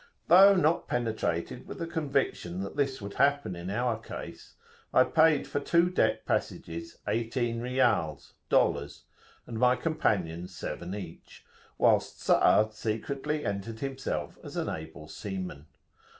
Though not penetrated with the conviction that this would happen in our case, I paid for two deck passages eighteen Riyals[FN#15] (dollars), and my companions seven each, whilst Sa'ad secretly entered himself as an able seaman.